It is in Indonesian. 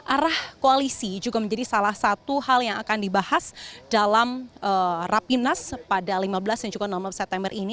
arah koalisi juga menjadi salah satu hal yang akan dibahas dalam rapimnas pada lima belas dan juga nomor september ini